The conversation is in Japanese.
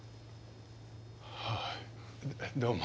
はいどうも。